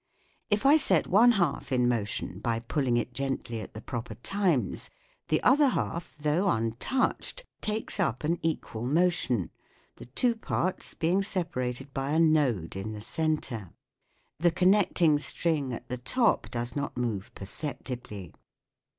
If I set one half in motion by pulling it gently at the proper times, the other half, though untouched, takes up an equal motion, the two parts being separated by a node in the centre : the connect ing string at the top does not move perceptibly.